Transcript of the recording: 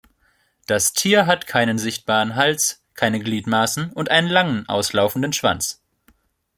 Das Tier hat keinen sichtbaren Hals, keine Gliedmaßen und einen lang auslaufenden Schwanz.